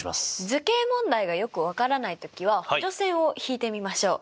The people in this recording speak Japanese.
図形問題がよく分からない時は補助線を引いてみましょう！